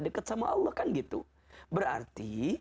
dekat sama allah kan gitu berarti